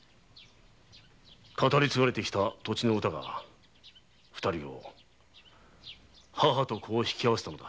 語り継がれてきた土地の歌が二人を母と子を引き合わせたのだ。